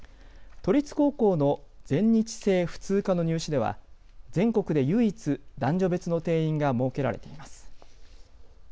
都立高校の全日制普通科の入試では全国で唯一、男女別の定員が設けられています。